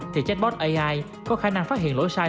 thì jack bot ai có khả năng phát hiện lỗi sai